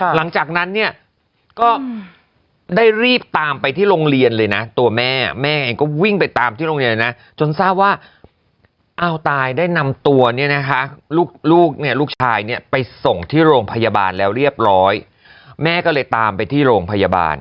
หลังจากนั้นเนี่ยก็ได้รีบตามไปที่โรงเรียนเลยนะตัวแม่แม่เองก็วิ่งไปตามที่โรงเรียนนะจนทราบว่าอ้าวตายได้นำตัวเนี่ยนะคะลูกเนี่ยลูกชายเนี่ยไปส่งที่โรงพยาบาลแล้วเรียบร้อยแม่ก็เลยตามไปที่โรงพยาบาล